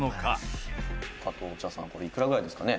北山：「加藤茶さん、これいくらぐらいですかね？」